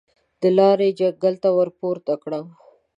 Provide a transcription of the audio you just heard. د لارۍ جنګلې ته ورپورته کړم.